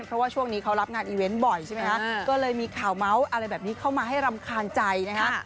เพราะว่าช่วงนี้เขารับงานอีเวนต์บ่อยใช่ไหมคะก็เลยมีข่าวเมาส์อะไรแบบนี้เข้ามาให้รำคาญใจนะฮะ